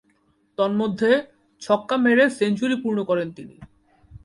তন্মধ্যে, ছক্কা মেরে সেঞ্চুরি পূর্ণ করেন তিনি।